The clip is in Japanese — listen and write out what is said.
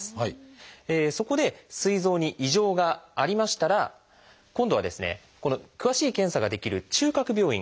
そこですい臓に異常がありましたら今度は詳しい検査ができる中核病院。